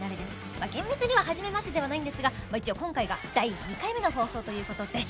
まあ厳密にははじめましてではないんですが一応今回が第２回目の放送という事で。